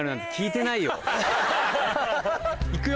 行くよ。